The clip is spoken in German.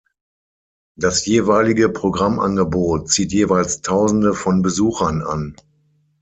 Das jeweilige Programmangebot zieht jeweils tausende von Besuchern an.